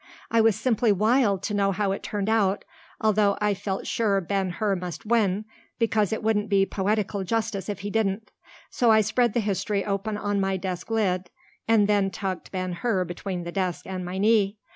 I was simply wild to know how it turned out although I felt sure Ben Hur must win, because it wouldn't be poetical justice if he didn't so I spread the history open on my desk lid and then tucked Ben Hur between the desk and my knee.